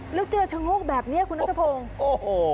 แล้วเจอยะโหคแบบเนี้ยคุณนักธพงโอ้โห